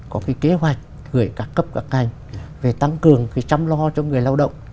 có cái kế hoạch gửi các cấp các ngành về tăng cường chăm lo cho người lao động